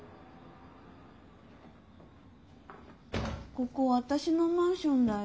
ここ私のマンションだよ。